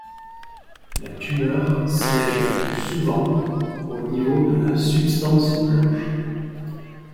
La tumeur siège le plus souvent au niveau de la substance blanche.